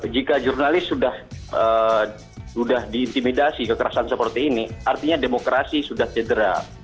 jika jurnalis sudah diintimidasi kekerasan seperti ini artinya demokrasi sudah cedera